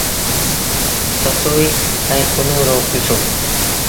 سسئيٚ ائيٚݩ پنهون رو ڪسو۔